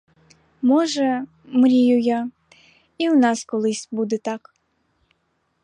Може — мрію я — й у нас колись буде так.